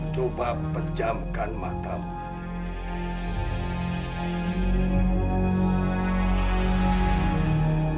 coba pejamkan matamu